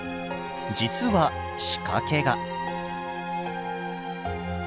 実は仕掛けが。